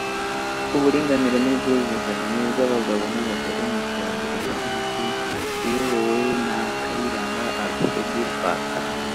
Uburinganire n‘Ubwuzuzanye bw’Abagabo n’Abagore mu iterambere ry‘Igihugu; iyobowe na Kayiranga Alfred Rwasa